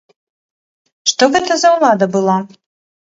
Што гэта за ўлада была?